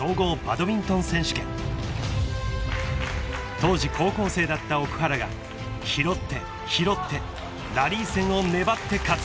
［当時高校生だった奥原が拾って拾ってラリー戦を粘って勝つ］